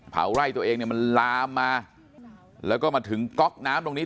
เผาไร่ตัวเองเนี่ยมันลามมาแล้วก็มาถึงก๊อกน้ำตรงนี้